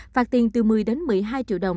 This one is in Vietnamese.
phạt tiền từ một mươi đến một mươi hai triệu đồng